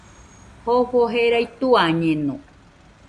Jofo jerai tuañeno